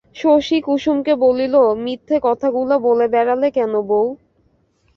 শশী কুসুমকে বলিল, মিথ্যে কথাগুলো বলে বেড়ালে কেন বৌ?